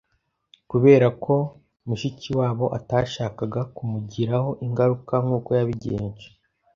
kuberako mushikiwabo atashakaga kumugiraho ingaruka nkuko yabigenje